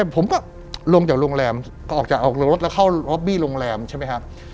ผมก็ลงจากโรงแรมออกจากออกรถแล้วเข้าล็อบบี้โรงแรมใช่ไหมครับ